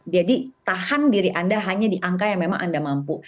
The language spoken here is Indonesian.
jadi tahan diri anda hanya di angka yang memang anda mampu